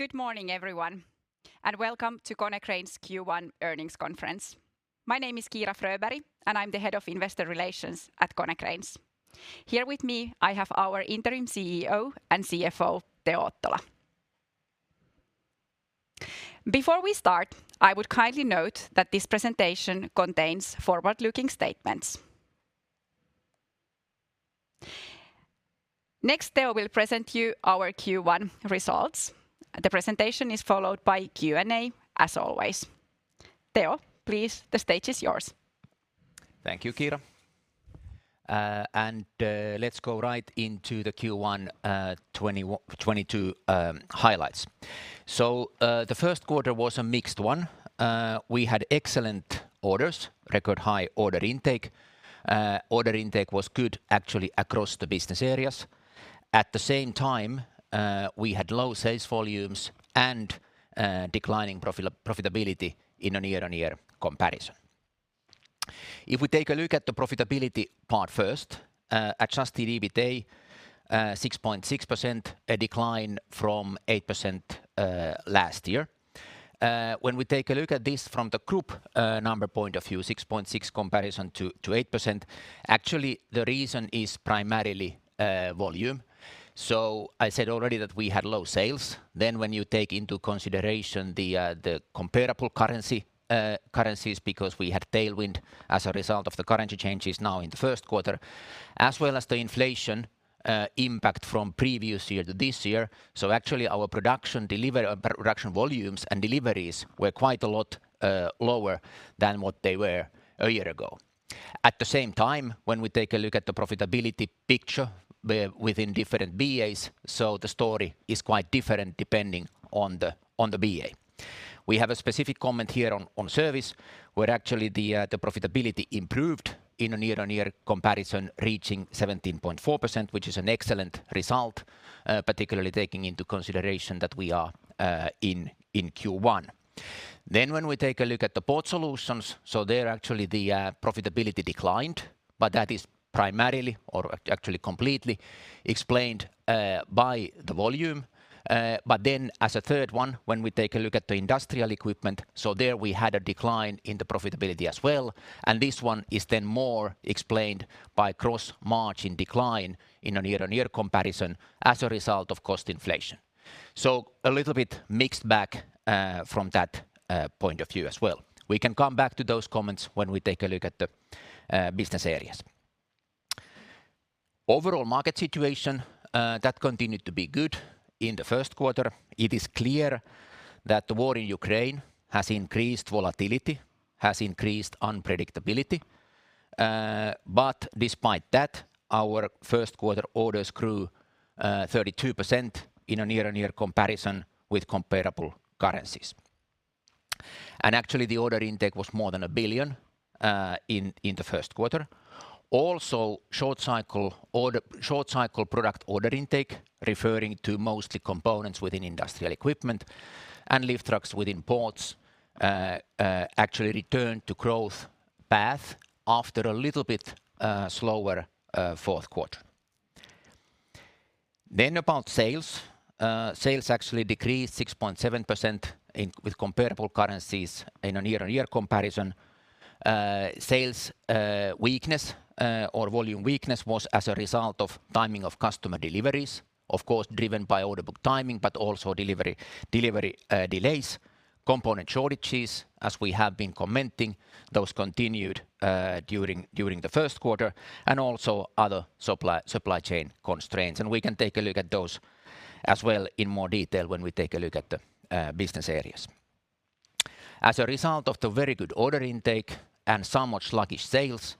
Good morning, everyone, and welcome to Konecranes Q1 Earnings Conference. My name is Kiira Fröberg and I'm the head of investor relations at Konecranes. Here with me, I have our Interim CEO and CFO, Teo Ottola. Before we start, I would kindly note that this presentation contains forward-looking statements. Next, Teo will present you our Q1 results. The presentation is followed by Q&A as always. Teo, please, the stage is yours. Thank you, Kiira. Let's go right into the Q1 2022 highlights. The first quarter was a mixed one. We had excellent orders, record high order intake. Order intake was good actually across the business areas. At the same time, we had low sales volumes and declining profitability in a year-on-year comparison. If we take a look at the profitability part first, adjusted EBITDA 6.6%, a decline from 8% last year. When we take a look at this from the group number point of view, 6.6% comparison to 8%, actually the reason is primarily volume. I said already that we had low sales. When you take into consideration the comparable currencies because we had tailwind as a result of the currency changes now in the first quarter, as well as the inflation impact from previous year to this year. Actually our production volumes and deliveries were quite a lot lower than what they were a year ago. At the same time, when we take a look at the profitability picture within different BAs, the story is quite different depending on the BA. We have a specific comment here on Service, where actually the profitability improved in a year-on-year comparison reaching 17.4%, which is an excellent result, particularly taking into consideration that we are in Q1. When we take a look at the Port Solutions, so there actually the profitability declined, but that is primarily or actually completely explained by the volume. But then as a third one, when we take a look at the Industrial Equipment, so there we had a decline in the profitability as well, and this one is then more explained by gross margin decline in a year-on-year comparison as a result of cost inflation. So a little bit mixed bag from that point of view as well. We can come back to those comments when we take a look at the Business Areas. Overall market situation that continued to be good in the first quarter. It is clear that the war in Ukraine has increased volatility, has increased unpredictability. Despite that, our first quarter orders grew 32% in a year-on-year comparison with comparable currencies. Actually the order intake was more than 1 billion in the first quarter. Also, short cycle product order intake, referring to mostly components within Industrial Equipment and lift trucks within ports, actually returned to growth path after a little bit slower fourth quarter. About sales. Sales actually decreased 6.7% with comparable currencies in a year-on-year comparison. Sales weakness or volume weakness was as a result of timing of customer deliveries, of course, driven by order book timing, but also delivery delays, component shortages as we have been commenting. Those continued during the first quarter and also other supply chain constraints. We can take a look at those as well in more detail when we take a look at the business areas. As a result of the very good order intake and somewhat sluggish sales,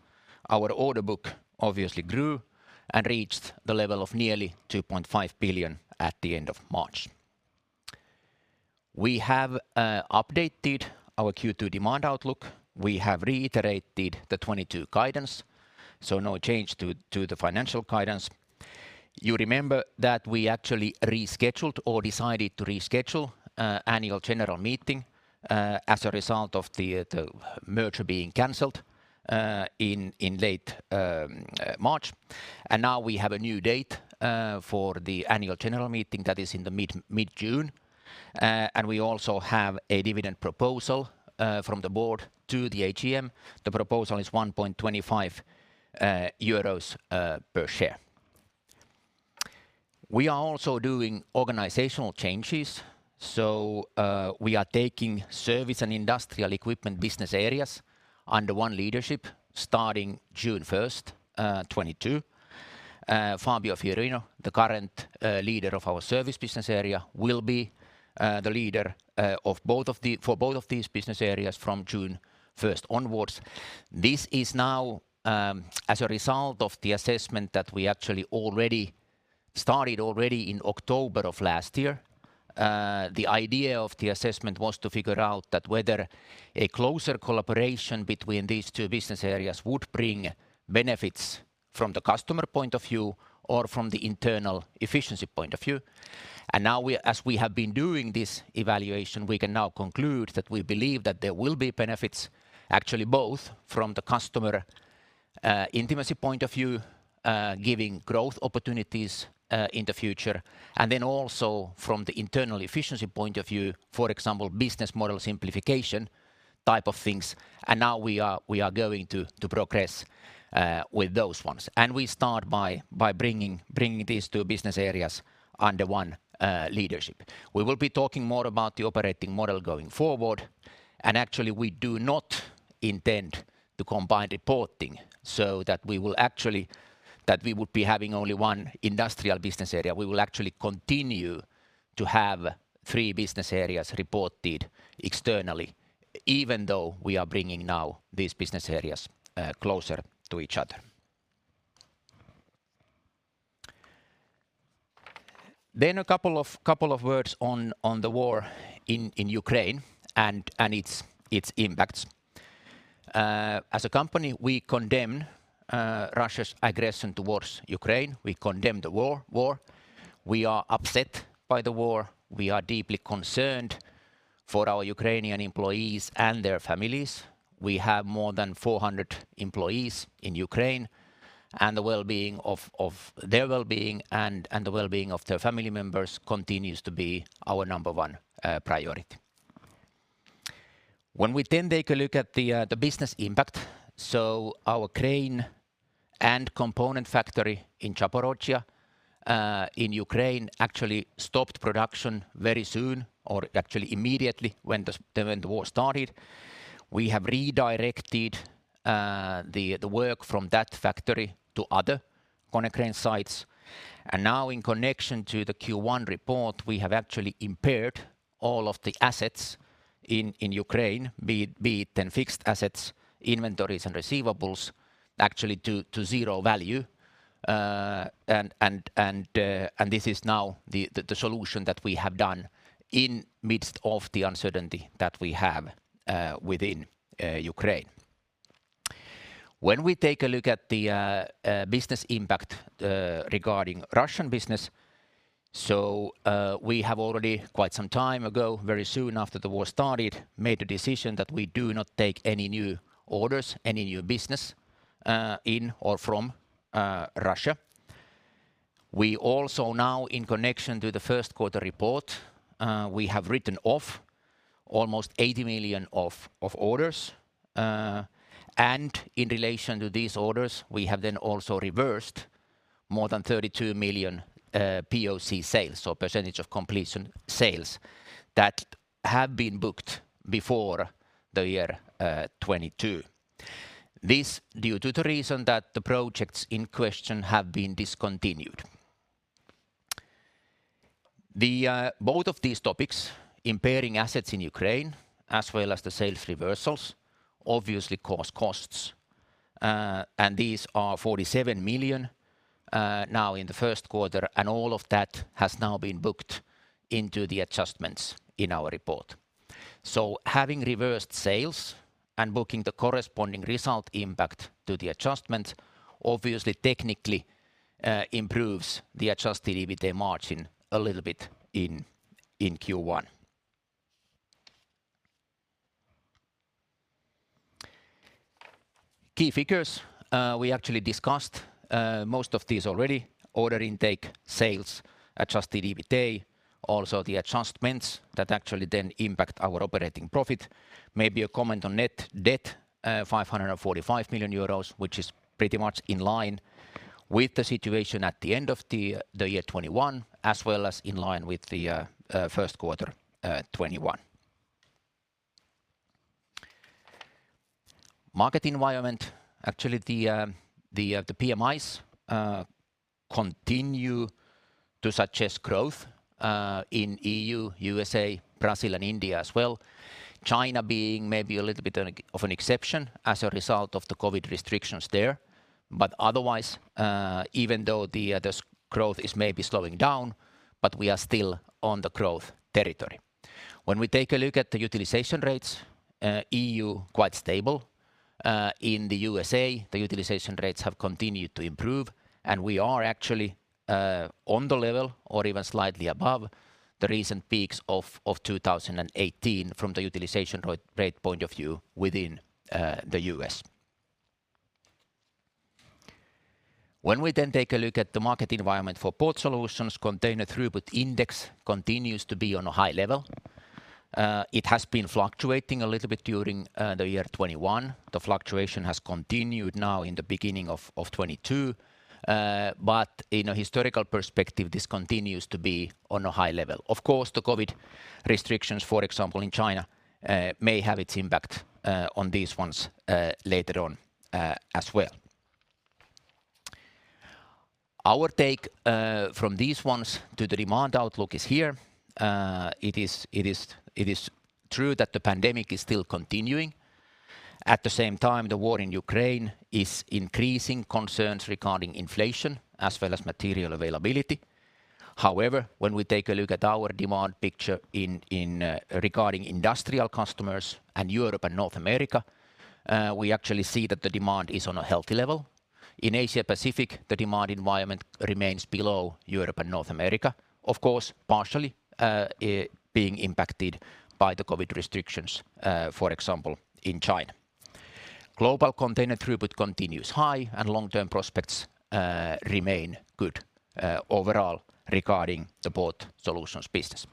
our order book obviously grew and reached the level of nearly 2.5 billion at the end of March. We have updated our Q2 demand outlook. We have reiterated the 2022 guidance, so no change to the financial guidance. You remember that we actually rescheduled or decided to reschedule annual general meeting as a result of the merger being canceled in late March. Now we have a new date for the annual general meeting that is in mid-June. We also have a dividend proposal from the board to the AGM. The proposal is 1.25 euros per share. We are also doing organizational changes. We are taking Service and Industrial Equipment Business Areas under one leadership starting June 1st, 2022. Fabio Fiorino, the current leader of our Service Business Area, will be the leader for both of these Business Areas from June 1st onwards. This is now as a result of the assessment that we actually already started in October of last year. The idea of the assessment was to figure out that whether a closer collaboration between these two Business Areas would bring benefits from the customer point of view or from the internal efficiency point of view. As we have been doing this evaluation, we can now conclude that we believe that there will be benefits actually both from the customer intimacy point of view, giving growth opportunities in the future, and then also from the internal efficiency point of view, for example, business model simplification type of things. Now we are going to progress with those ones. We start by bringing these two business areas under one leadership. We will be talking more about the operating model going forward. Actually we do not intend to combine reporting so that we will actually that we would be having only one industrial business area. We will actually continue to have three business areas reported externally, even though we are bringing now these business areas closer to each other. A couple of words on the war in Ukraine and its impacts. As a company, we condemn Russia's aggression towards Ukraine. We condemn the war. We are upset by the war. We are deeply concerned for our Ukrainian employees and their families. We have more than 400 employees in Ukraine, and the well-being of their well-being and the well-being of their family members continues to be our number one priority. When we take a look at the business impact. Our crane and component factory in Zaporizhzhia in Ukraine actually stopped production very soon, or actually immediately when the war started. We have redirected the work from that factory to other Konecranes sites. Now in connection to the Q1 report, we have actually impaired all of the assets in Ukraine, be it the fixed assets, inventories and receivables actually to zero value. This is now the solution that we have done in midst of the uncertainty that we have within Ukraine. When we take a look at the business impact regarding Russian business, we have already, quite some time ago, very soon after the war started, made a decision that we do not take any new orders, any new business in or from Russia. We also now in connection to the first quarter report, we have written off almost 80 million of orders. In relation to these orders, we have then also reversed more than 32 million POC sales, so percentage of completion sales that have been booked before the year 2022. This due to the reason that the projects in question have been discontinued. Both of these topics, impairing assets in Ukraine as well as the sales reversals, obviously cause costs. These are 47 million now in the first quarter, and all of that has now been booked into the adjustments in our report. Having reversed sales and booking the corresponding result impact to the adjustment obviously technically improves the adjusted EBITDA margin a little bit in Q1. Key figures. We actually discussed most of these already. Order intake, sales, adjusted EBITDA, also the adjustments that actually then impact our operating profit. Maybe a comment on net debt, 545 million euros, which is pretty much in line with the situation at the end of the year 2021 as well as in line with the first quarter 2021. Market environment. Actually, the PMIs continue to suggest growth in EU, USA, Brazil and India as well. China being maybe a little bit of an exception as a result of the COVID restrictions there. Otherwise, even though this growth is maybe slowing down, we are still on the growth territory. When we take a look at the utilization rates, EU quite stable. In the U.S., the utilization rates have continued to improve and we are actually on the level or even slightly above the recent peaks of 2018 from the utilization rate point of view within the U.S. When we then take a look at the market environment for Port Solutions, Container Throughput Index continues to be on a high level. It has been fluctuating a little bit during the year 2021. The fluctuation has continued now in the beginning of 2022. But in a historical perspective, this continues to be on a high level. Of course, the COVID restrictions, for example, in China, may have its impact on these ones later on as well. Our take from these ones to the demand outlook is here. It is true that the pandemic is still continuing. At the same time, the war in Ukraine is increasing concerns regarding inflation as well as material availability. However, when we take a look at our demand picture in regarding industrial customers and Europe and North America, we actually see that the demand is on a healthy level. In Asia Pacific, the demand environment remains below Europe and North America, of course, partially being impacted by the COVID restrictions, for example, in China. Global container throughput continues high and long-term prospects remain good, overall regarding the Port Solutions business.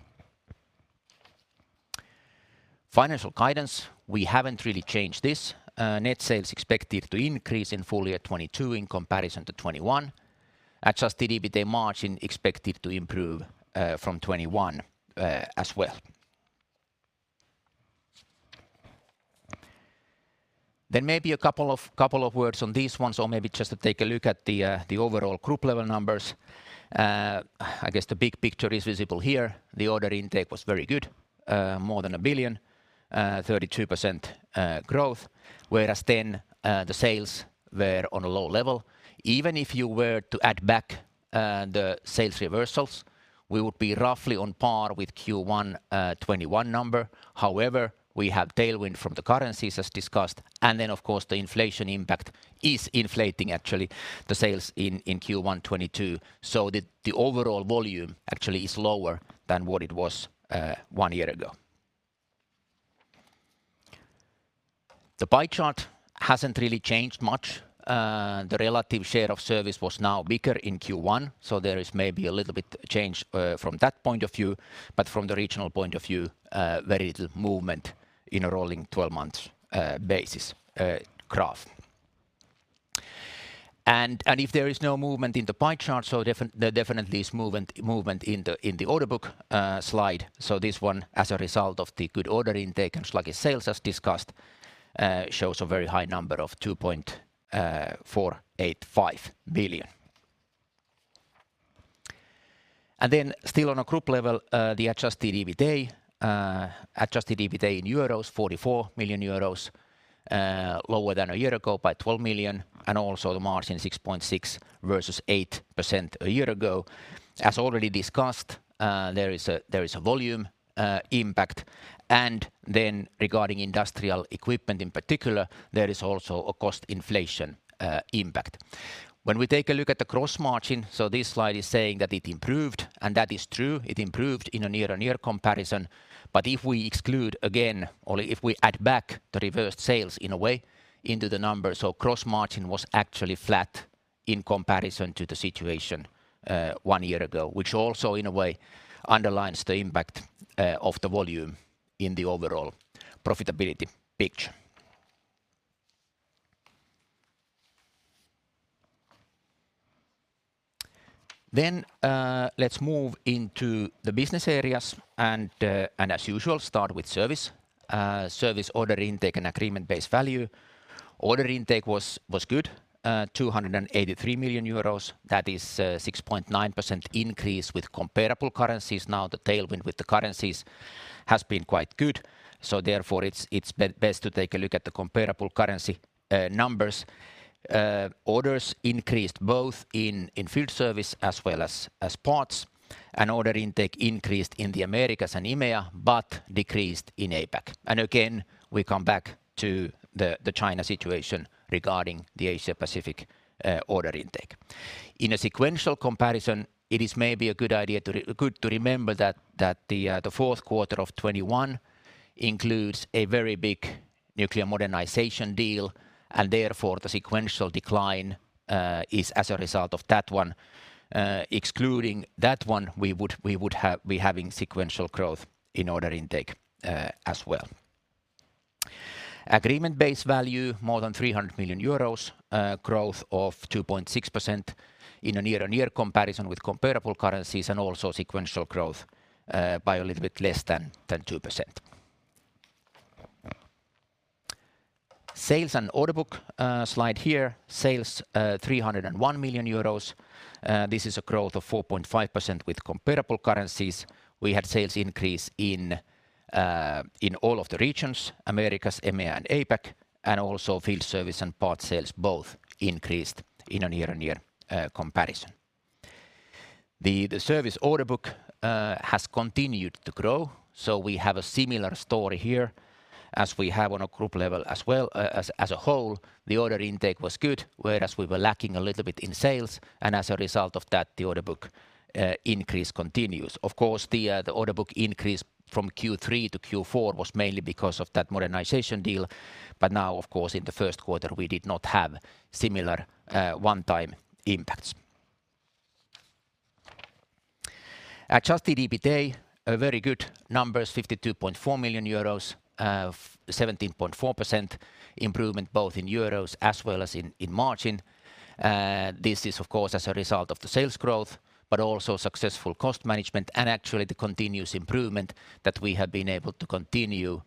Financial guidance, we haven't really changed this. Net sales expected to increase in full year 2022 in comparison to 2021. Adjusted EBITDA margin expected to improve from 2021, as well. Maybe a couple of words on these ones, or maybe just to take a look at the overall group level numbers. I guess the big picture is visible here. The order intake was very good, more than 1 billion, 32% growth. Whereas the sales were on a low level. Even if you were to add back the sales reversals, we would be roughly on par with Q1 2021 number. However, we have tailwind from the currencies as discussed, and of course the inflation impact is inflating actually the sales in Q1 2022. The overall volume actually is lower than what it was one year ago. The pie chart hasn't really changed much. The relative share of service was now bigger in Q1, so there is maybe a little bit change from that point of view. From the regional point of view, very little movement in a rolling twelve-month basis graph. If there is no movement in the pie chart, there definitely is movement in the order book slide. This one, as a result of the good order intake and sluggish sales as discussed, shows a very high number of 2.485 billion. Then still on a group level, the adjusted EBITDA in euros, 44 million euros, lower than a year ago by 12 million, and also the margin 6.6% versus 8% a year ago. As already discussed, there is a volume impact. Regarding Industrial Equipment in particular, there is also a cost inflation impact. When we take a look at the gross margin, this slide is saying that it improved, and that is true. It improved in a year-on-year comparison. If we exclude again, or if we add back the reversed sales in a way into the numbers, gross margin was actually flat in comparison to the situation one year ago, which also in a way underlines the impact of the volume in the overall profitability picture. Let's move into the business areas and as usual, start with service. Service order intake and agreement-based value. Order intake was good, 283 million euros. That is, 6.9% increase with comparable currencies. Now, the tailwind with the currencies has been quite good, so therefore it's best to take a look at the comparable currency numbers. Orders increased both in field service as well as parts, and order intake increased in the Americas and EMEA, but decreased in APAC. We come back to the China situation regarding the Asia Pacific order intake. In a sequential comparison, it is maybe a good idea to remember that the fourth quarter of 2021 includes a very big nuclear modernization deal, and therefore the sequential decline is as a result of that one. Excluding that one, we would be having sequential growth in order intake as well. Order intake value more than 300 million euros, growth of 2.6% in a year-on-year comparison with comparable currencies and also sequential growth by a little bit less than 2%. Sales and order book slide here. Sales 301 million euros. This is a growth of 4.5% with comparable currencies. We had sales increase in all of the regions, Americas, EMEA and APAC, and also field service and part sales both increased in a year-on-year comparison. The service order book has continued to grow, so we have a similar story here as we have on a group level as well. As a whole, the order intake was good, whereas we were lacking a little bit in sales. As a result of that, the order book increase continues. Of course, the order book increase from Q3 to Q4 was mainly because of that modernization deal. Now of course in the first quarter we did not have similar one-time impacts. Adjusted EBITDA, a very good numbers, 52.4 million euros. 17.4% improvement both in euros as well as in margin. This is of course as a result of the sales growth, but also successful cost management and actually the continuous improvement that we have been able to continue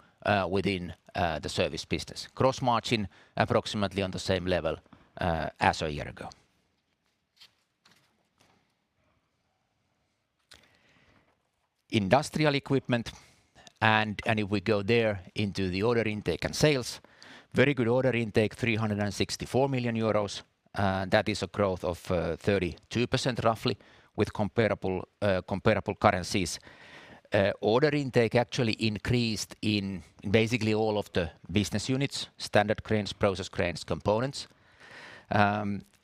within the service business. Gross margin approximately on the same level as a year ago. Industrial Equipment. If we go there into the order intake and sales, very good order intake 364 million euros, that is a growth of 32% roughly with comparable currencies. Order intake actually increased in basically all of the business units, standard cranes, process cranes, components.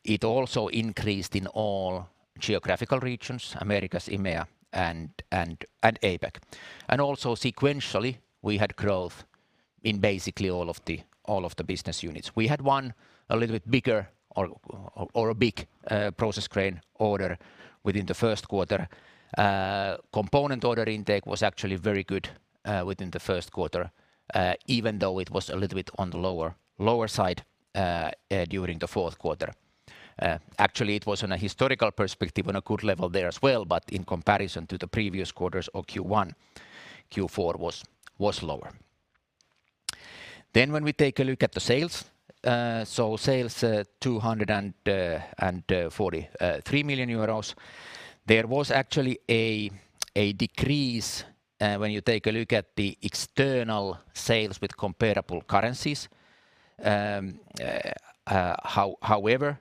It also increased in all geographical regions, Americas, EMEA and APAC. Sequentially, we had growth in basically all of the business units. We had a big process crane order within the first quarter. Component order intake was actually very good within the first quarter, even though it was a little bit on the lower side during the fourth quarter. Actually, it was on a historical perspective on a good level there as well, but in comparison to the previous quarters or Q1, Q4 was lower. When we take a look at the sales, so sales 243 million euros, there was actually a decrease when you take a look at the external sales with comparable currencies. However,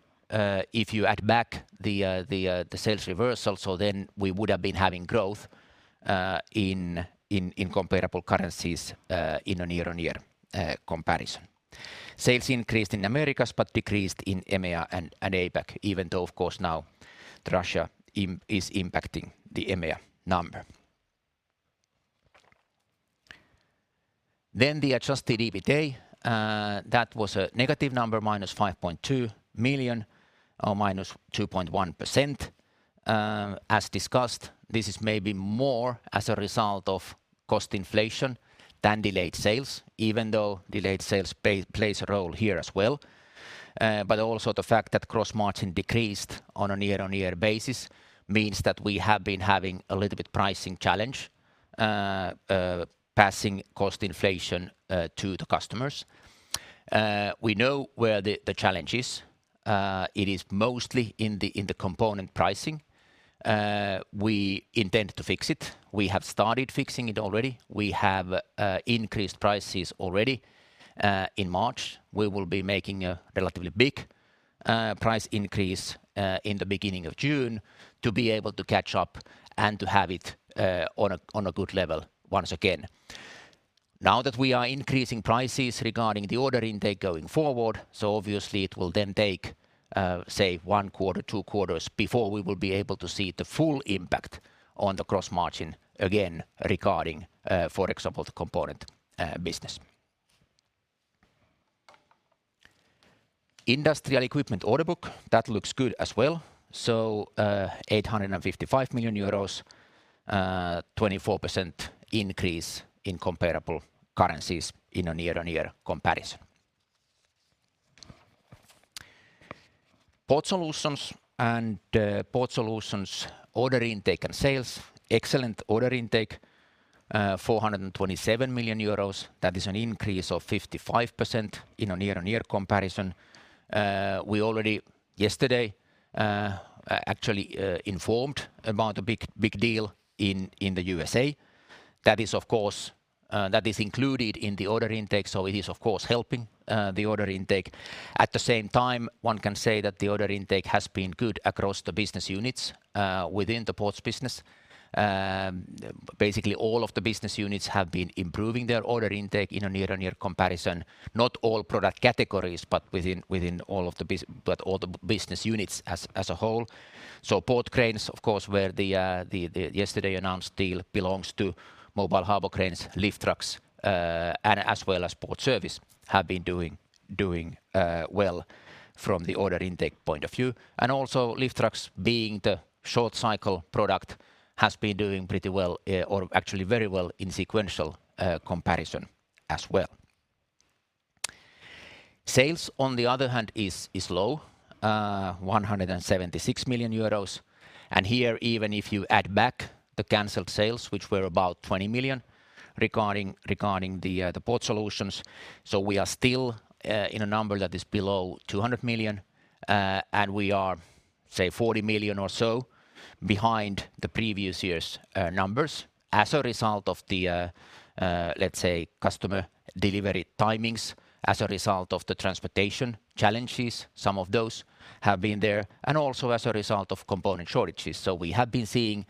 if you add back the sales reversal, so then we would have been having growth in comparable currencies in a year-on-year comparison. Sales increased in Americas but decreased in EMEA and APAC, even though of course now Russia is impacting the EMEA number. The adjusted EBITDA that was a negative number, minus 5.2 million or minus 2.1%. As discussed, this is maybe more as a result of cost inflation than delayed sales, even though delayed sales plays a role here as well. Also the fact that gross margin decreased on a year-on-year basis means that we have been having a little bit pricing challenge, passing cost inflation, to the customers. We know where the challenge is. It is mostly in the component pricing. We intend to fix it. We have started fixing it already. We have increased prices already, in March. We will be making a relatively big price increase, in the beginning of June to be able to catch up and to have it on a good level once again. Now that we are increasing prices regarding the order intake going forward, obviously it will then take, say one quarter, two quarters before we will be able to see the full impact on the gross margin again regarding, for example, the component business. Industrial Equipment order book, that looks good as well. 855 million euros, 24% increase in comparable currencies in a year-on-year comparison. Port Solutions order intake and sales, excellent order intake, 427 million euros. That is an increase of 55% in a year-on-year comparison. We already yesterday actually informed about a big deal in the USA. That is included in the order intake, so it is of course helping the order intake. At the same time, one can say that the order intake has been good across the business units, within the ports business. Basically all of the business units have been improving their order intake in a year-on-year comparison. Not all product categories, but within all the business units as a whole. Port cranes, of course, where the yesterday announced deal belongs to mobile harbor cranes, lift trucks, and as well as port service have been doing well from the order intake point of view. Also lift trucks being the short cycle product has been doing pretty well, or actually very well in sequential comparison as well. Sales on the other hand is low, 176 million euros. Here, even if you add back the canceled sales, which were about 20 million regarding the Port Solutions, so we are still in a number that is below 200 million, and we are, say 40 million or so behind the previous year's numbers as a result of the let's say customer delivery timings as a result of the transportation challenges. Some of those have been there. Also as a result of component shortages. So we have been seeing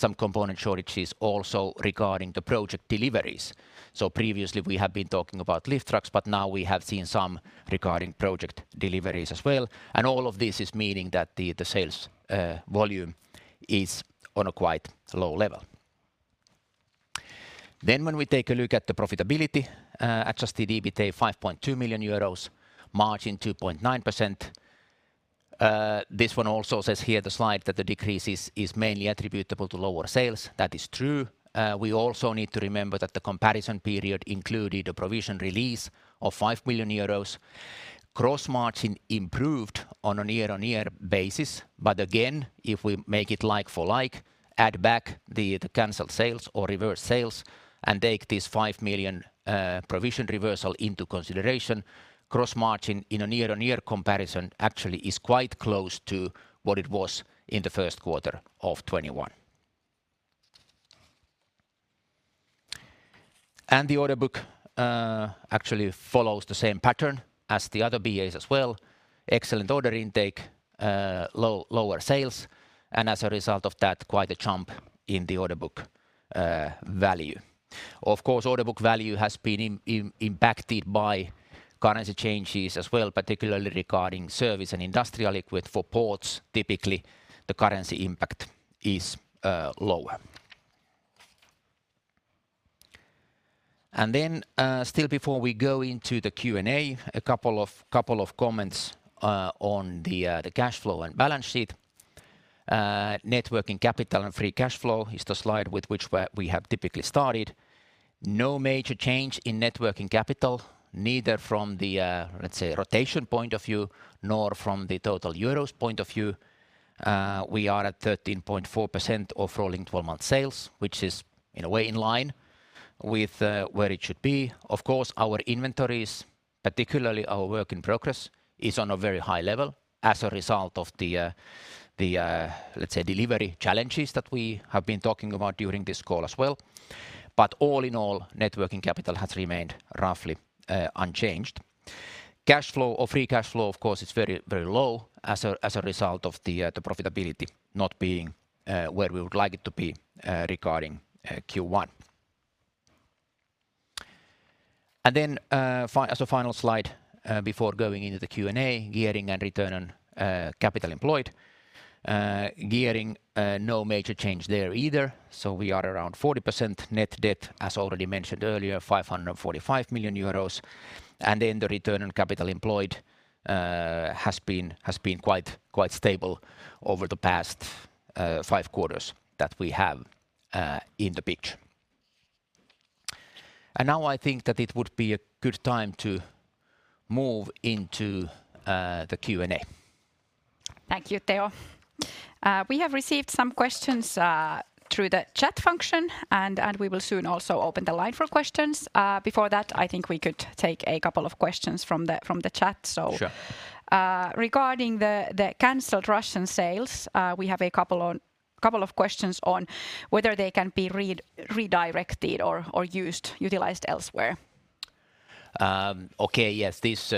some component shortages also regarding the project deliveries. So previously we have been talking about lift trucks, but now we have seen some regarding project deliveries as well. All of this is meaning that the sales volume is on a quite low level. When we take a look at the profitability, adjusted EBITDA, 5.2 million euros, margin 2.9%. This one also says here the slide that the decrease is mainly attributable to lower sales. That is true. We also need to remember that the comparison period included a provision release of 5 million euros. Gross margin improved on a year-on-year basis. Again, if we make it like for like, add back the canceled sales or reverse sales and take this 5 million provision reversal into consideration, gross margin in a year-on-year comparison actually is quite close to what it was in the first quarter of 2021. The order book actually follows the same pattern as the other BAs as well. Excellent order intake, lower sales, and as a result of that, quite a jump in the order book value. Of course, order book value has been impacted by currency changes as well, particularly regarding Service and Industrial Equipment. For ports, typically the currency impact is lower. Then, still before we go into the Q&A, a couple of comments on the cash flow and balance sheet. Net working capital and free cash flow is the slide with which we have typically started. No major change in net working capital, neither from the, let's say, rotation point of view nor from the total euros point of view. We are at 13.4% of rolling twelve-month sales, which is in a way in line with where it should be. Of course, our inventories, particularly our work in progress, is on a very high level as a result of the, let's say, delivery challenges that we have been talking about during this call as well. All in all, net working capital has remained roughly unchanged. Cash flow or free cash flow, of course, is very, very low as a result of the profitability not being where we would like it to be regarding Q1. As a final slide before going into the Q&A, gearing and return on capital employed. Gearing, no major change there either, so we are around 40% net debt, as already mentioned earlier, 545 million euros. Then the return on capital employed has been quite stable over the past five quarters that we have in the picture. Now I think that it would be a good time to move into the Q&A. Thank you, Teo. We have received some questions through the chat function and we will soon also open the line for questions. Before that, I think we could take a couple of questions from the chat. Sure. Regarding the canceled Russian sales, we have a couple of questions on whether they can be redirected or utilized elsewhere. Okay. Yes. This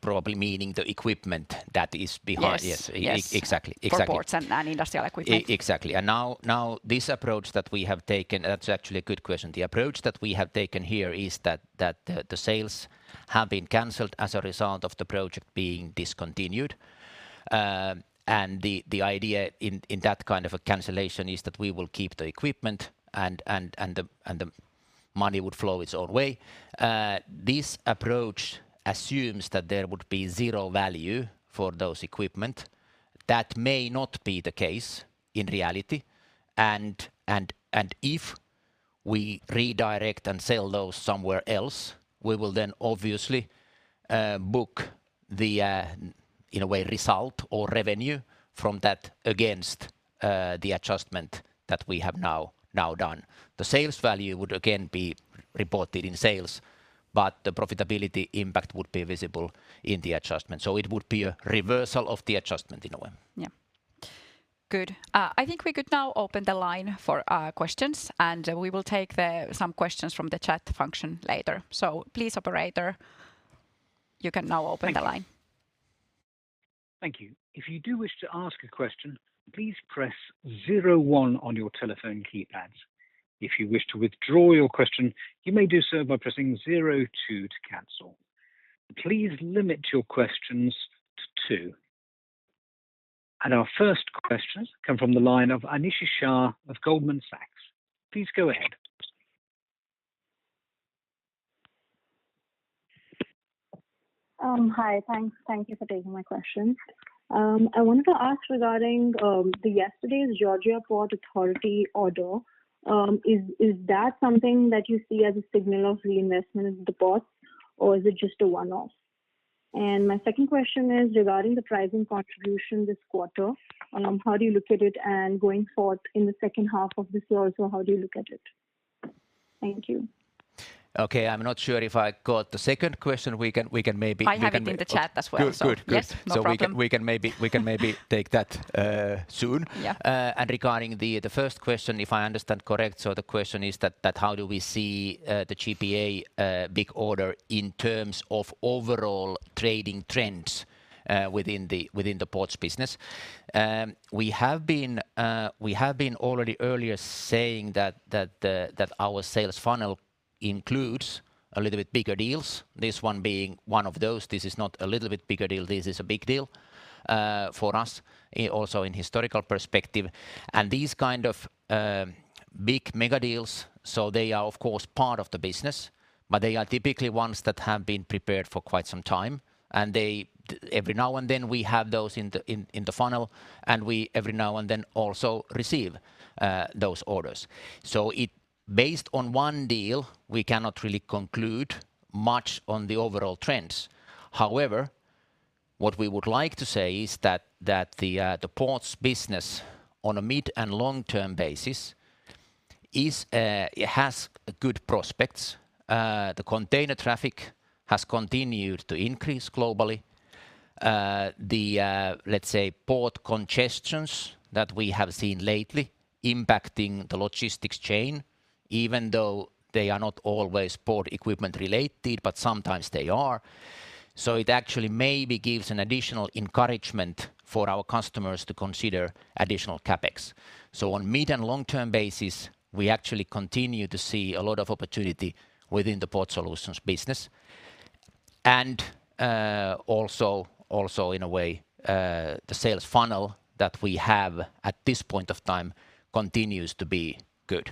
probably meaning the equipment that is behind. Yes. Yes. Exactly. For ports and Industrial Equipment. Exactly. Now this approach that we have taken. That's actually a good question. The approach that we have taken here is that the sales have been canceled as a result of the project being discontinued. The idea in that kind of a cancellation is that we will keep the equipment and the money would flow its own way. This approach assumes that there would be zero value for those equipment. That may not be the case in reality. If we redirect and sell those somewhere else, we will then obviously book the in a way result or revenue from that against the adjustment that we have now done. The sales value would again be reported in sales, but the profitability impact would be visible in the adjustment. It would be a reversal of the adjustment in a way. Yeah. Good. I think we could now open the line for questions, and we will take some questions from the chat function later. Please, operator, you can now open the line. Thank you. Thank you. If you do wish to ask a question, please press zero-one on your telephone keypads. If you wish to withdraw your question, you may do so by pressing zero-two to cancel. Please limit your questions to two. Our first question comes from the line of Ashish Shah of Goldman Sachs. Please go ahead. Hi. Thanks. Thank you for taking my questions. I wanted to ask regarding yesterday's Georgia Ports Authority order, is that something that you see as a signal of reinvestment into the port, or is it just a one-off? My second question is regarding the pricing contribution this quarter, how do you look at it and going forward in the second half of this year, so how do you look at it? Thank you. Okay. I'm not sure if I got the second question. We can maybe. I have it in the chat as well. Good. Yes. No problem. We can maybe take that soon. Yeah. Regarding the first question, if I understand correct, the question is that how do we see the GPA big order in terms of overall trading trends within the ports business. We have been already earlier saying that our sales funnel includes a little bit bigger deals. This one being one of those. This is not a little bit bigger deal, this is a big deal for us also in historical perspective. These kind of big mega deals, they are of course part of the business, but they are typically ones that have been prepared for quite some time. They every now and then we have those in the funnel, and we every now and then also receive those orders. It. Based on one deal, we cannot really conclude much on the overall trends. However, what we would like to say is that the ports business on a mid and long-term basis is it has good prospects. The container traffic has continued to increase globally. The, let's say, port congestions that we have seen lately impacting the logistics chain even though they are not always port equipment related, but sometimes they are. So it actually maybe gives an additional encouragement for our customers to consider additional CapEx. So on mid and long-term basis, we actually continue to see a lot of opportunity within the Port Solutions business. Also in a way, the sales funnel that we have at this point of time continues to be good.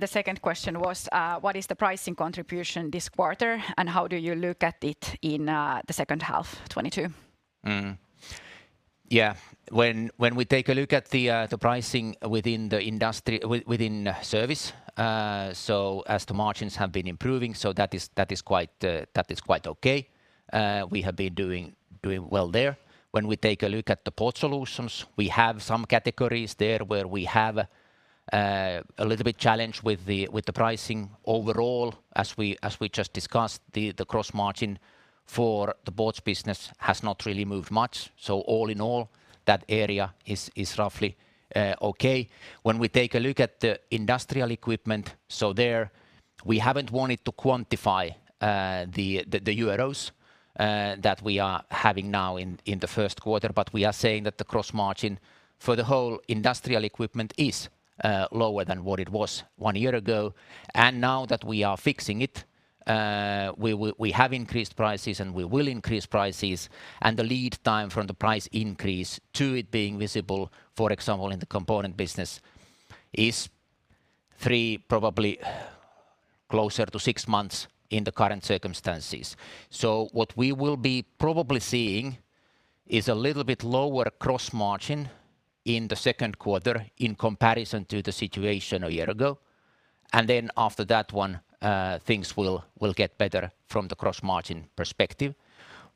The second question was, what is the pricing contribution this quarter, and how do you look at it in the second half 2022? When we take a look at the pricing within service, as the margins have been improving so that is quite okay. We have been doing well there. When we take a look at the Port Solutions, we have some categories there where we have a little bit challenge with the pricing. Overall, as we just discussed, the gross margin for the ports business has not really moved much. All in all, that area is roughly okay. When we take a look at the Industrial Equipment, so there we haven't wanted to quantify the euros that we are having now in the first quarter. We are saying that the gross margin for the whole Industrial Equipment is lower than what it was one year ago. Now that we are fixing it, we have increased prices, and we will increase prices. The lead time from the price increase to it being visible, for example, in the component business is three, probably closer to six months in the current circumstances. What we will be probably seeing is a little bit lower gross margin in the second quarter in comparison to the situation one year ago. Then after that one, things will get better from the gross margin perspective.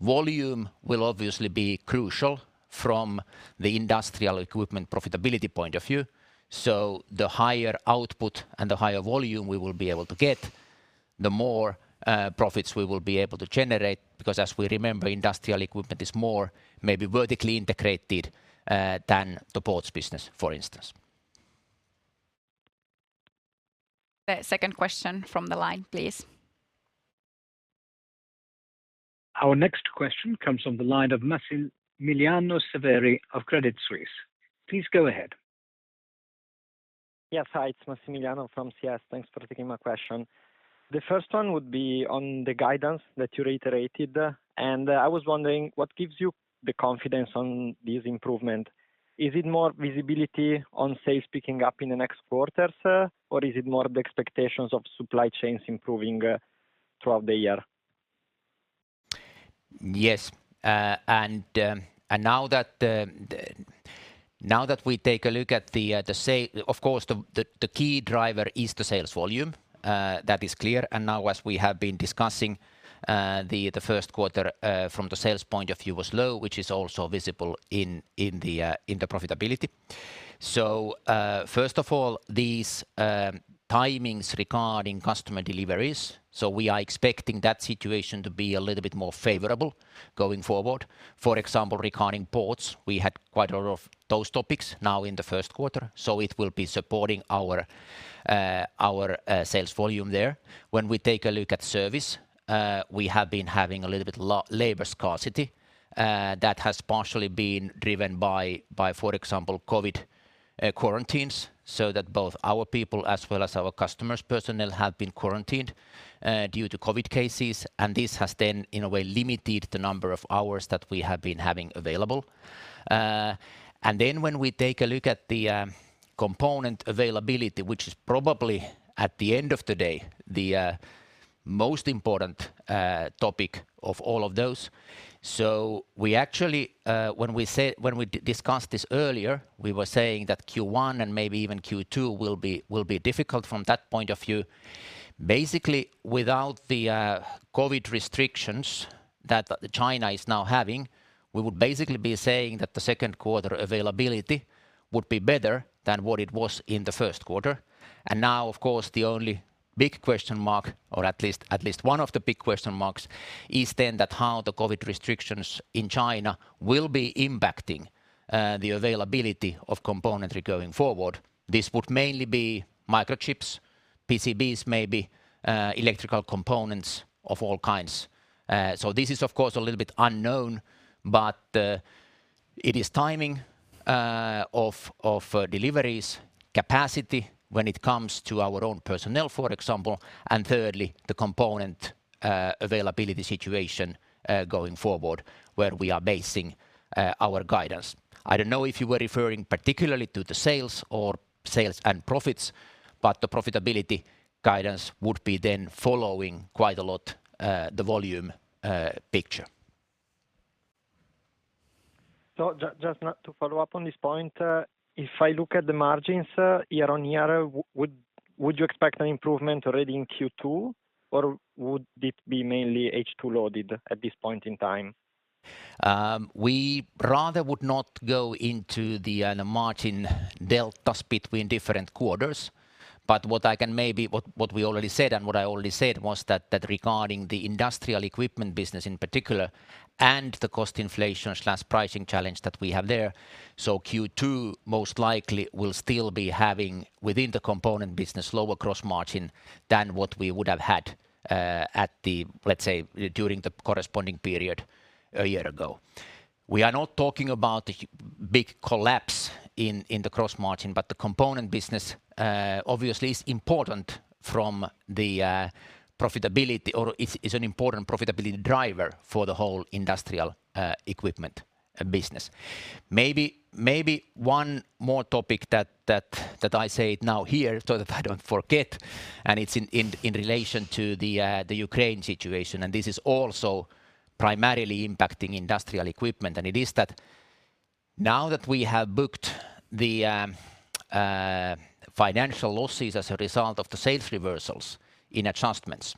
Volume will obviously be crucial from the Industrial Equipment profitability point of view. The higher output and the higher volume we will be able to get, the more profits we will be able to generate. Because as we remember, Industrial Equipment is more maybe vertically integrated than the ports business, for instance. The second question from the line, please. Our next question comes from the line of Massimiliano Severi of Credit Suisse. Please go ahead. Yes. Hi. It's Massimiliano from CS. Thanks for taking my question. The first one would be on the guidance that you reiterated. I was wondering what gives you the confidence on this improvement? Is it more visibility on sales picking up in the next quarters, or is it more the expectations of supply chains improving, throughout the year? Of course the key driver is the sales volume. That is clear. Now as we have been discussing, the first quarter from the sales point of view was low, which is also visible in the profitability. First of all, these timings regarding customer deliveries, so we are expecting that situation to be a little bit more favorable going forward. For example, regarding ports, we had quite a lot of those topics now in the first quarter, so it will be supporting our sales volume there. When we take a look at Service, we have been having a little bit labor scarcity, that has partially been driven by, for example, COVID, quarantines, so that both our people as well as our customers' personnel have been quarantined, due to COVID cases. This has then, in a way, limited the number of hours that we have been having available. When we take a look at the component availability, which is probably at the end of the day the most important topic of all of those. We actually, when we discussed this earlier, we were saying that Q1 and maybe even Q2 will be difficult from that point of view. Basically, without the COVID restrictions that China is now having, we would basically be saying that the second quarter availability would be better than what it was in the first quarter. Now, of course, the only big question mark, or at least one of the big question marks, is then that how the COVID restrictions in China will be impacting the availability of components going forward. This would mainly be microchips, PCBs maybe, electrical components of all kinds. This is of course a little bit unknown. It is timing of deliveries, capacity when it comes to our own personnel, for example, and thirdly, the component availability situation going forward where we are basing our guidance. I don't know if you were referring particularly to the sales or sales and profits, but the profitability guidance would be then following quite a lot the volume picture. Just to follow up on this point, if I look at the margins year-on-year, would you expect an improvement already in Q2, or would it be mainly H2 loaded at this point in time? We rather would not go into the margin deltas between different quarters. What we already said and what I already said was that regarding the Industrial Equipment business in particular, and the cost inflation/pricing challenge that we have there, Q2 most likely will still be having, within the component business, lower gross margin than what we would have had, at the, let's say, during the corresponding period a year ago. We are not talking about a big collapse in the gross margin, but the component business obviously is important from the profitability or it's an important profitability driver for the whole Industrial Equipment business. Maybe one more topic that I say it now here so that I don't forget, and it's in relation to the Ukraine situation, and this is also primarily impacting Industrial Equipment. It is that now that we have booked the financial losses as a result of the sales reversals and adjustments.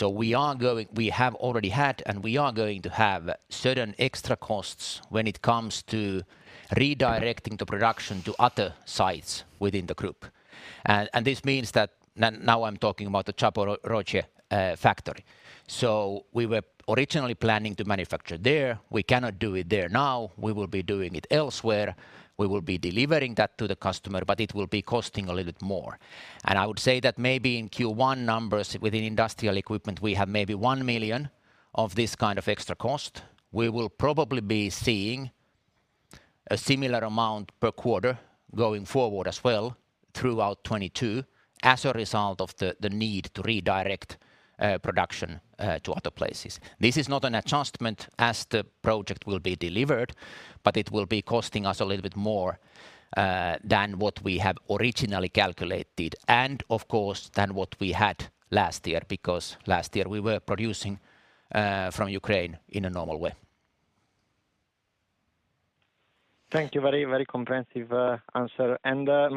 We have already had, and we are going to have certain extra costs when it comes to redirecting the production to other sites within the group. This means that now I'm talking about the Zaporizhzhia factory. We were originally planning to manufacture there. We cannot do it there now. We will be doing it elsewhere. We will be delivering that to the customer, but it will be costing a little bit more. I would say that maybe in Q1 numbers within Industrial Equipment, we have maybe 1 million of this kind of extra cost. We will probably be seeing a similar amount per quarter going forward as well throughout 2022 as a result of the need to redirect production to other places. This is not an adjustment as the project will be delivered, but it will be costing us a little bit more than what we have originally calculated and of course than what we had last year. Because last year we were producing from Ukraine in a normal way. Thank you. Very, very comprehensive answer.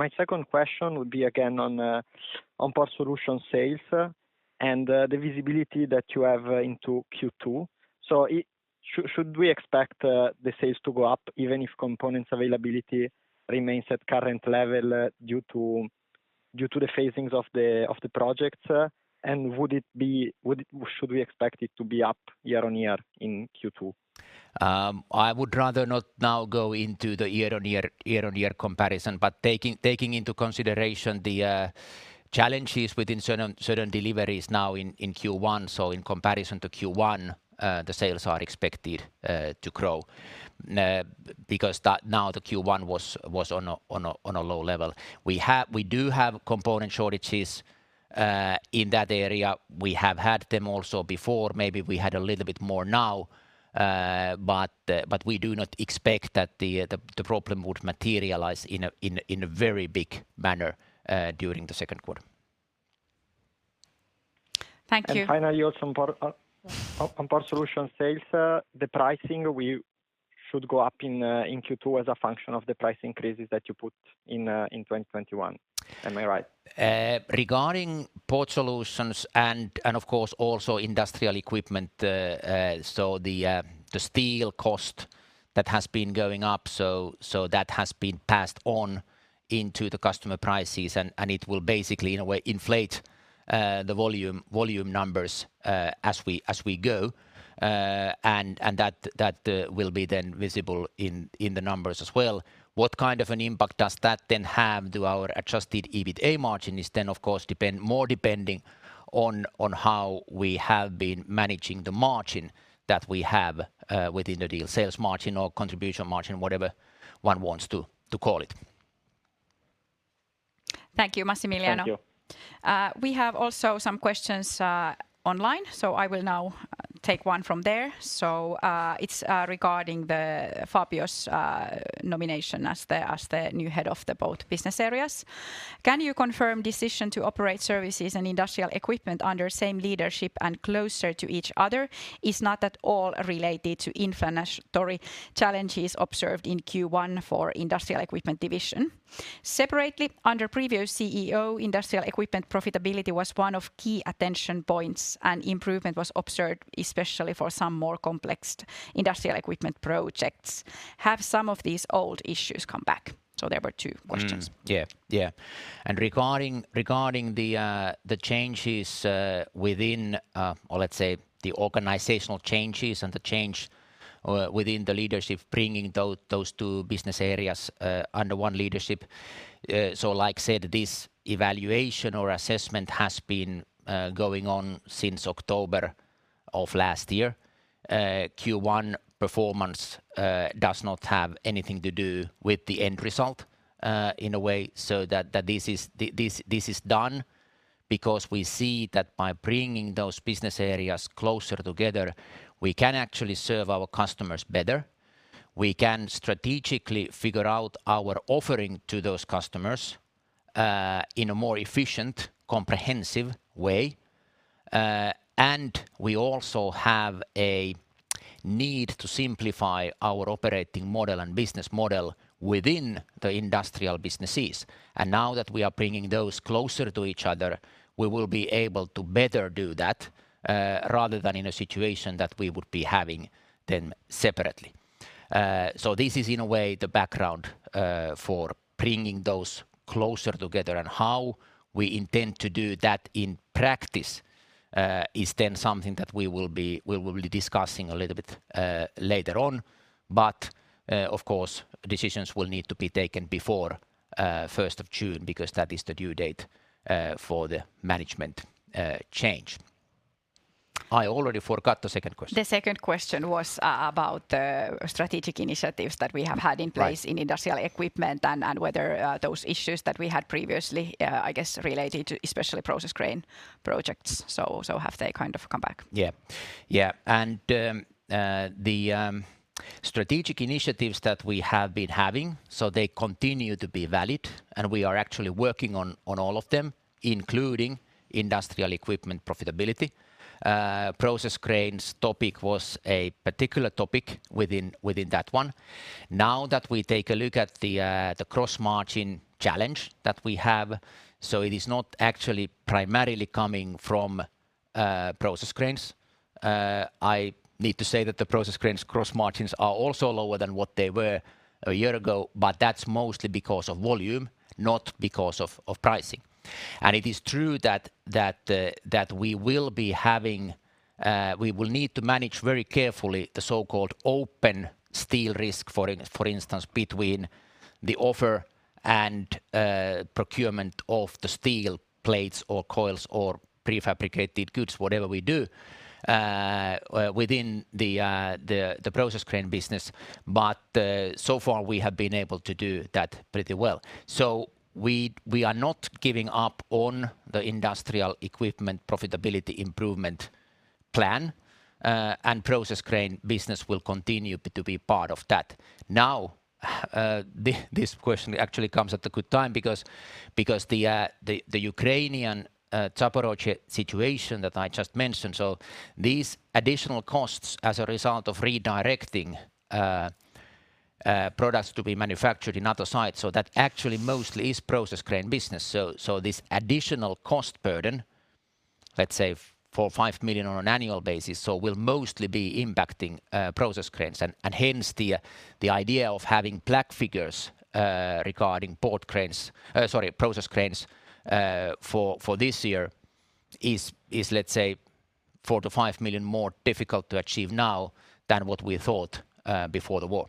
My second question would be again on Port Solutions sales and the visibility that you have into Q2. Should we expect the sales to go up even if components availability remains at current level due to the phasings of the projects, and should we expect it to be up year-on-year in Q2? I would rather not now go into the year-on-year comparison. Taking into consideration the challenges within certain deliveries now in Q1, so in comparison to Q1, the sales are expected to grow. Because now the Q1 was on a low level. We do have component shortages in that area. We have had them also before. Maybe we had a little bit more now, but we do not expect that the problem would materialize in a very big manner during the second quarter. Thank you. Finally, also on Port, on Port Solutions sales, the pricing we should go up in Q2 as a function of the price increases that you put in in 2021. Am I right? Regarding Port Solutions and of course also Industrial Equipment, the steel cost that has been going up has been passed on into the customer prices and it will basically in a way inflate the volume numbers as we go. That will be then visible in the numbers as well. What kind of an impact does that then have to our adjusted EBITA margin is then of course more depending on how we have been managing the margin that we have within the deal. Sales margin or contribution margin, whatever one wants to call it. Thank you, Massimiliano. Thank you. We have also some questions online, I will now take one from there. It's regarding the Fabio's nomination as the new head of the both business areas. Can you confirm decision to operate Service and Industrial Equipment under same leadership and closer to each other is not at all related to inflationary challenges observed in Q1 for Industrial Equipment division? Separately, under previous CEO, Industrial Equipment profitability was one of key attention points and improvement was observed especially for some more complex Industrial Equipment projects. Have some of these old issues come back? There were two questions. Regarding the changes within, or let's say the organizational changes and the change within the leadership bringing those two business areas under one leadership. So like said, this evaluation or assessment has been going on since October of last year. Q1 performance does not have anything to do with the end result in a way so that this is done because we see that by bringing those business areas closer together, we can actually serve our customers better. We can strategically figure out our offering to those customers in a more efficient, comprehensive way. We also have a need to simplify our operating model and business model within the industrial businesses. Now that we are bringing those closer to each other, we will be able to better do that, rather than in a situation that we would be having them separately. This is in a way the background for bringing those closer together and how we intend to do that in practice is then something that we will be discussing a little bit later on. Of course, decisions will need to be taken before first of June because that is the due date for the management change. I already forgot the second question. The second question was about strategic initiatives that we have had in place. Right. In Industrial Equipment and whether those issues that we had previously, I guess related to especially process crane projects. Have they kind of come back? The strategic initiatives that we have been having continue to be valid, and we are actually working on all of them, including Industrial Equipment profitability. Process cranes topic was a particular topic within that one. Now that we take a look at the gross margin challenge that we have, it is not actually primarily coming from process cranes. I need to say that the process cranes gross margins are also lower than what they were a year ago, but that's mostly because of volume, not because of pricing. It is true that we will need to manage very carefully the so-called open steel risk, for instance, between the offer and procurement of the steel plates or coils or prefabricated goods, whatever we do, within the process crane business. So far we have been able to do that pretty well. We are not giving up on the industrial equipment profitability improvement plan, and process crane business will continue to be part of that. Now, this question actually comes at a good time because the Ukrainian Zaporizhzhia situation that I just mentioned, so these additional costs as a result of redirecting products to be manufactured in other sites, so that actually mostly is process crane business. This additional cost burden, let's say 4 million- 5 million on an annual basis, will mostly be impacting process cranes. Hence the idea of having black figures regarding process cranes for this year is, let's say, 4 million- 5 million more difficult to achieve now than what we thought before the war.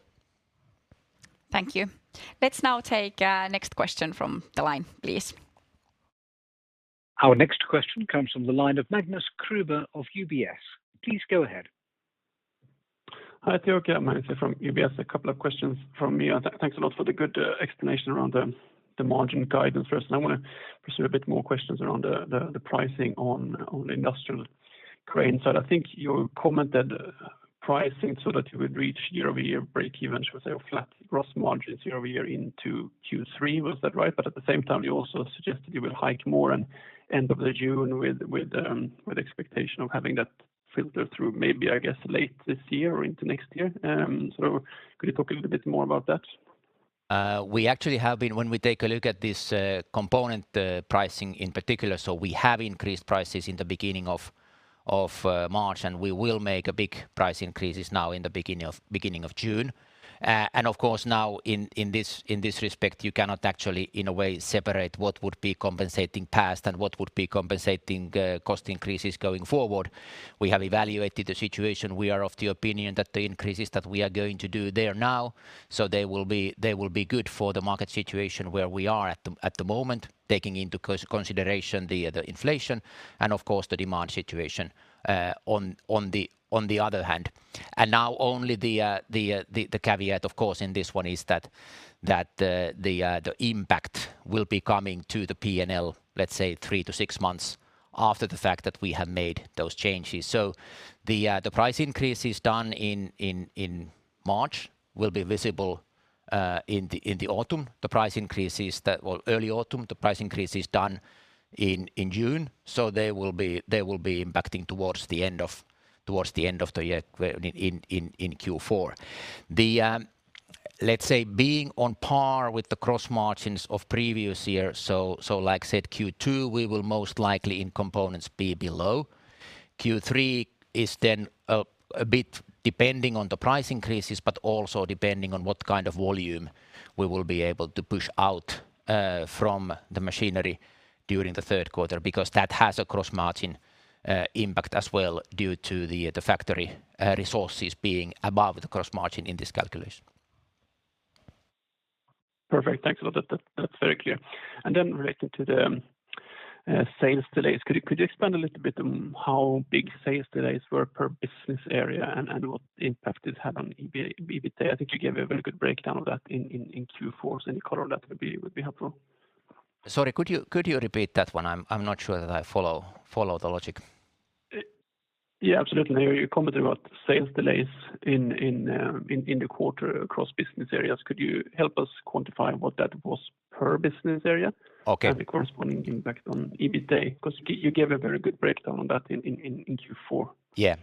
Thank you. Let's now take next question from the line, please. Our next question comes from the line of Magnus Kruber of UBS. Please go ahead. Hi, Teo, Magnus Kruber from UBS. A couple of questions from me. Thanks a lot for the good explanation around the margin guidance. First, I wanna pursue a bit more questions around the pricing on industrial crane side. I think you commented pricing so that you would reach year-over-year break-even, shall say, or flat gross margins year-over-year into Q3. Was that right? At the same time you also suggested you will hike more in end of the June with expectation of having that filter through maybe, I guess, late this year or into next year. So could you talk a little bit more about that? We actually have been. When we take a look at this component, pricing in particular, so we have increased prices in the beginning of March, and we will make big price increases now in the beginning of June. Of course now in this respect, you cannot actually in a way separate what would be compensating past and what would be compensating cost increases going forward. We have evaluated the situation. We are of the opinion that the increases that we are going to do, they will be good for the market situation where we are at the moment, taking into consideration the inflation and of course the demand situation on the other hand. Now only the caveat of course in this one is that the impact will be coming to the P&L, let's say three to six months after the fact that we have made those changes. The price increases done in March will be visible in the early autumn. The price increases done in June, so they will be impacting towards the end of the year in Q4. Let's say being on par with the gross margins of previous year, so like I said, Q2 we will most likely in components be below. Q3 is a bit depending on the price increases, but also depending on what kind of volume we will be able to push out from the machinery during the third quarter because that has a gross-margin impact as well due to the factory resources being above the gross margin in this calculation. Perfect. Thanks a lot. That's very clear. Related to the sales delays. Could you expand a little bit on how big sales delays were per business area and what impact it had on EBITDA? I think you gave a very good breakdown of that in Q4, so any color on that would be helpful. Sorry, could you repeat that one? I'm not sure that I follow the logic. Yeah, absolutely. You commented about sales delays in the quarter across business areas. Could you help us quantify what that was per business area? Okay. The corresponding impact on EBITDA? Because you gave a very good breakdown on that in Q4. Yeah.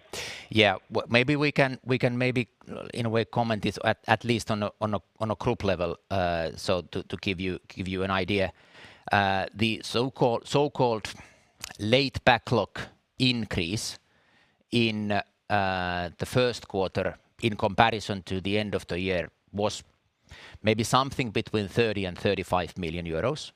Maybe we can in a way comment this at least on a group level to give you an idea. The so-called late backlog increase in the first quarter in comparison to the end of the year was maybe something between 30 million and 35 million euros.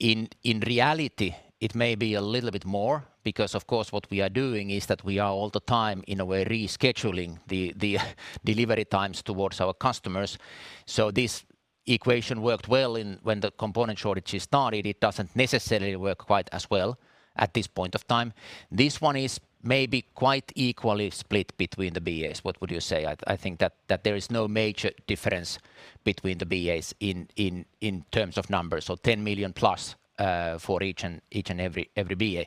In reality, it may be a little bit more because, of course, what we are doing is that we are all the time, in a way, rescheduling the delivery times towards our customers. This equation worked well when the component shortages started. It doesn't necessarily work quite as well at this point of time. This one is maybe quite equally split between the BAs. What would you say? I think that there is no major difference between the BAs in terms of numbers. 10 million+ for each and every BA.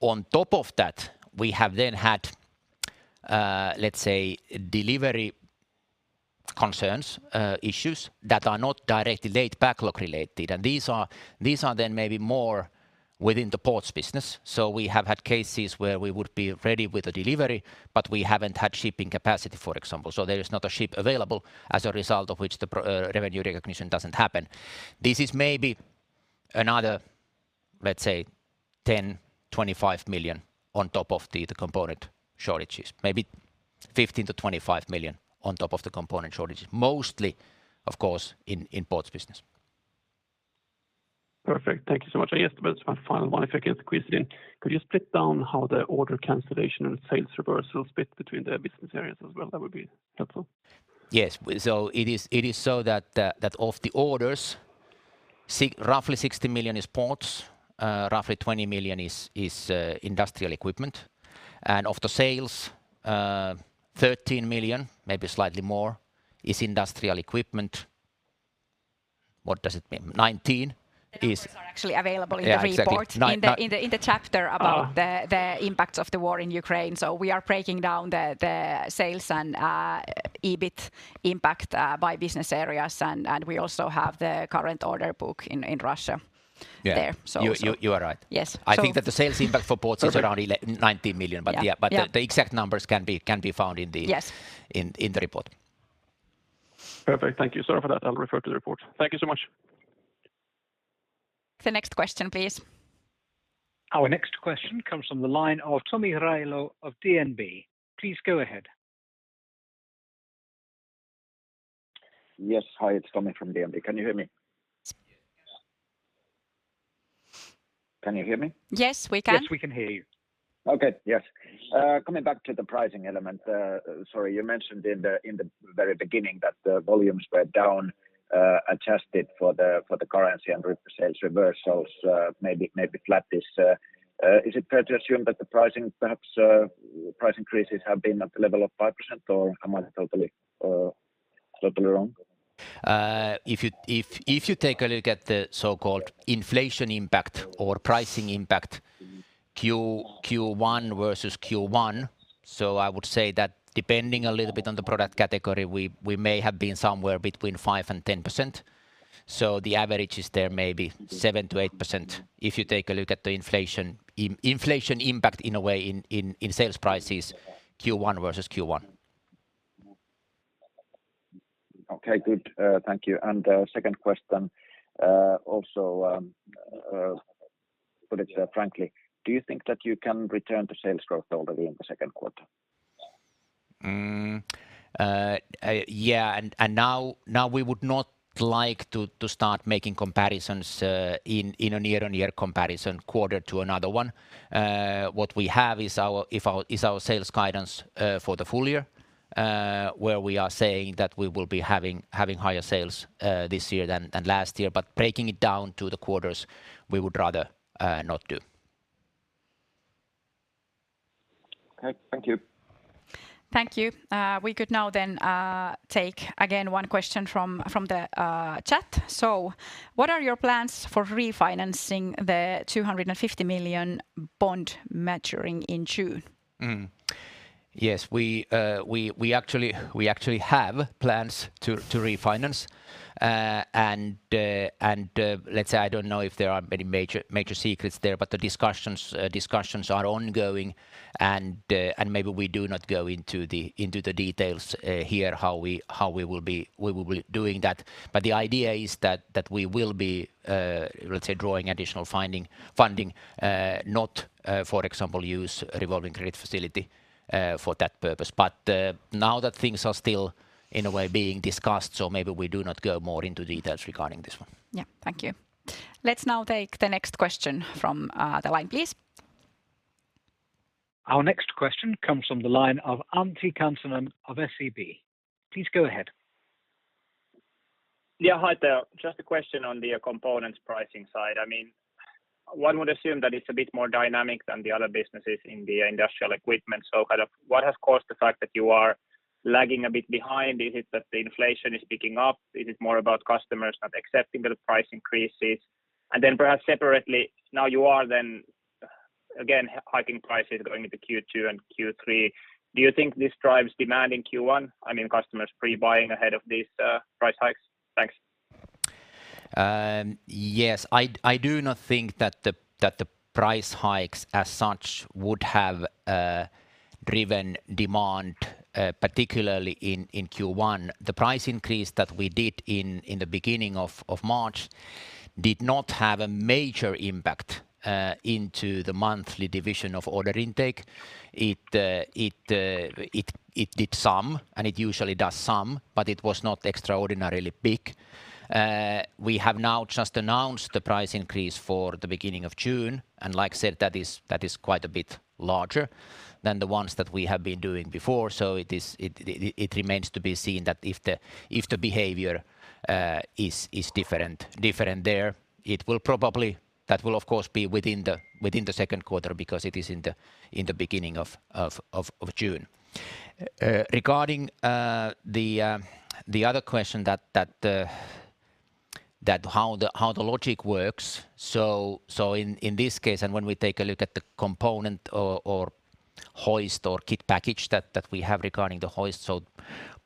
On top of that, we have then had, let's say, delivery concerns, issues that are not directly late backlog related, and these are then maybe more within the ports business. We have had cases where we would be ready with a delivery, but we haven't had shipping capacity, for example. There is not a ship available as a result of which revenue recognition doesn't happen. This is maybe another, let's say, 10-25 million on top of the component shortages. Maybe 15 million- 25 million on top of the component shortages. Mostly, of course, in ports business. Perfect. Thank you so much. I guess that was my final one if I can squeeze it in. Could you break down how the order cancellation and sales reversal split between the business areas as well? That would be helpful. It is so that of the orders, roughly 60 million is ports, roughly 20 million is Industrial Equipment. Of the sales, 13 million, maybe slightly more, is Industrial Equipment. What does it mean? 19 million is. The numbers are actually available in the report. Yeah, exactly. In the chapter about the. Ah. The impacts of the war in Ukraine. We are breaking down the sales and EBIT impact by business areas, and we also have the current order book in Russia. Yeah. There. You are right. Yes. I think that the sales impact for ports. Okay. Is around 19 million. Yeah. The exact numbers can be found in the. Yes. In the report. Perfect. Thank you, sir, for that. I'll refer to the report. Thank you so much. The next question, please. Our next question comes from the line of Tomi Railo of DNB. Please go ahead. Yes. Hi, it's Tomi from DNB. Can you hear me? Can you hear me? Yes, we can. Yes, we can hear you. Okay. Yes. Coming back to the pricing element, sorry, you mentioned in the very beginning that the volumes were down, adjusted for the currency and resales reversals, maybe flattish. Is it fair to assume that the pricing perhaps price increases have been at the level of 5% or am I totally wrong? If you take a look at the so-called inflation impact or pricing impact Q1 versus Q1, I would say that depending a little bit on the product category, we may have been somewhere between 5% and 10%. The average is there maybe 7%-8% if you take a look at the inflation impact in a way in sales prices Q1 versus Q1. Okay. Good. Thank you. Second question, also, put it frankly, do you think that you can return to sales growth already in the second quarter? Now we would not like to start making comparisons in a year-on-year comparison quarter to another one. What we have is our sales guidance for the full year, where we are saying that we will be having higher sales this year than last year. Breaking it down to the quarters, we would rather not do. Okay. Thank you. Thank you. We could now then take again one question from the chat. What are your plans for refinancing the 250 million bond maturing in June? Yes. We actually have plans to refinance. Let's say I don't know if there are many major secrets there, but the discussions are ongoing and maybe we do not go into the details here how we will be doing that. The idea is that we will be drawing additional funding, not, for example, use revolving credit facility for that purpose. Now that things are still in a way being discussed, so maybe we do not go more into details regarding this one. Yeah. Thank you. Let's now take the next question from the line, please. Our next question comes from the line of Antti Kansanen of SEB. Please go ahead. Yeah. Hi there. Just a question on the components pricing side. I mean, one would assume that it's a bit more dynamic than the other businesses in the Industrial Equipment. Kind of what has caused the fact that you are lagging a bit behind? Is it that the inflation is picking up? Is it more about customers not accepting the price increases? Perhaps separately, now you are then again hiking prices going into Q2 and Q3. Do you think this drives demand in Q1? I mean, customers pre-buying ahead of these, price hikes? Thanks. Yes. I do not think that the price hikes as such would have driven demand particularly in Q1. The price increase that we did in the beginning of March did not have a major impact into the monthly division of order intake. It did some, and it usually does some, but it was not extraordinarily big. We have now just announced the price increase for the beginning of June, and like I said, that is quite a bit larger than the ones that we have been doing before, so it is. It remains to be seen that if the behavior is different there. It will probably. That will of course be within the second quarter because it is in the beginning of June. Regarding the other question that how the logic works, in this case, and when we take a look at the component or hoist or kit package that we have regarding the hoist, so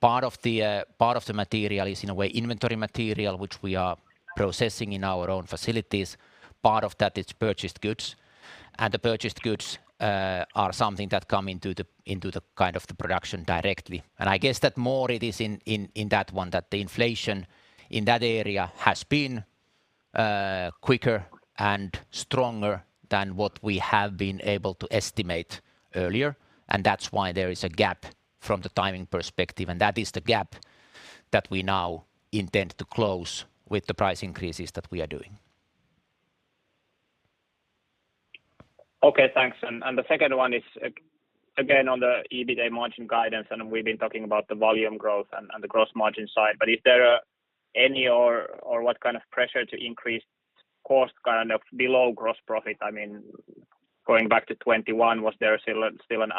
part of the material is in a way inventory material which we are processing in our own facilities. Part of that is purchased goods. The purchased goods are something that come into the kind of the production directly. I guess that more it is in that one, that the inflation in that area has been quicker and stronger than what we have been able to estimate earlier, and that's why there is a gap from the timing perspective, and that is the gap that we now intend to close with the price increases that we are doing. Okay, thanks. The second one is again on the EBITDA margin guidance, and we've been talking about the volume growth and the gross margin side. But is there any or what kind of pressure to increase cost kind of below gross profit? I mean, going back to 2021, was there an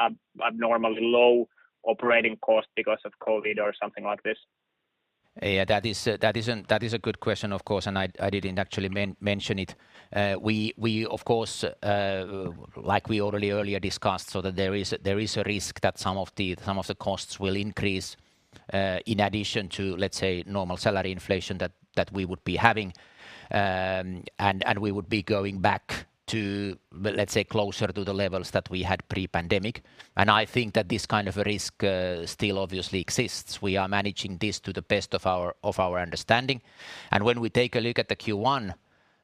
abnormally low operating cost because of COVID or something like this? Yeah, that is a good question, of course, and I didn't actually mention it. We of course, like we already earlier discussed, so that there is a risk that some of the costs will increase, in addition to, let's say, normal salary inflation that we would be having. We would be going back to, let's say, closer to the levels that we had pre-pandemic, and I think that this kind of a risk still obviously exists. We are managing this to the best of our understanding. When we take a look at the Q1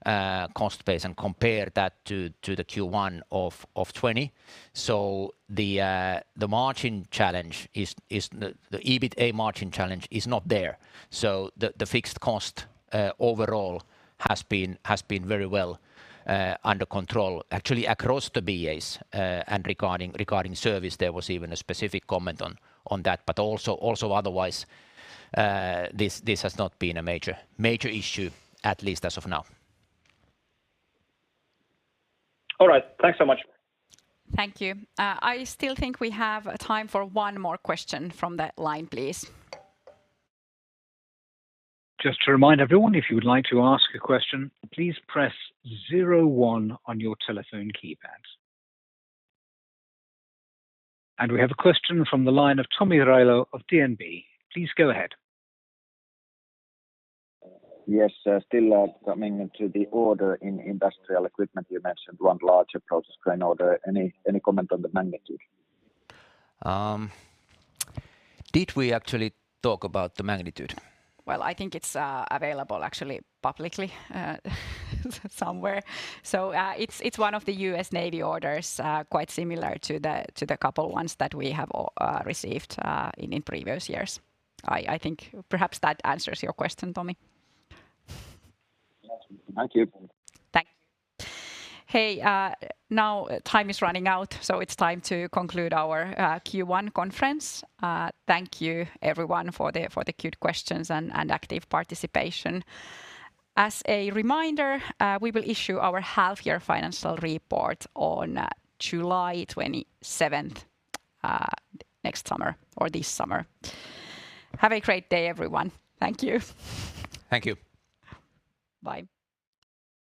cost base and compare that to the Q1 of 2020, so the margin challenge is the EBITA margin challenge is not there. The fixed cost overall has been very well under control. Actually across the BAs, and regarding service there was even a specific comment on that. Also otherwise, this has not been a major issue, at least as of now. All right. Thanks so much. Thank you. I still think we have time for one more question from the line, please. Just to remind everyone, if you would like to ask a question, please press zero one on your telephone keypad. We have a question from the line of Tomi Railo of DNB. Please go ahead. Yes. Still commenting on the order intake in Industrial Equipment, you mentioned one larger process crane order. Any comment on the magnitude? Did we actually talk about the magnitude? Well, I think it's available actually publicly somewhere. It's one of the US Navy orders quite similar to the couple ones that we have all received in previous years. I think perhaps that answers your question, Tomi. Thank you. Thank you. Now time is running out, so it's time to conclude our Q1 conference. Thank you everyone for the good questions and active participation. As a reminder, we will issue our half year financial report on July 27th, next summer or this summer. Have a great day, everyone. Thank you. Thank you. Bye.